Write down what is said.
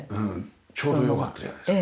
ちょうどよかったじゃないですか。